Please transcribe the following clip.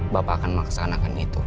bapak akan mengaksanakan itu